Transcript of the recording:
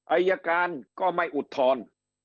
อัยการก็ไม่อุดทอน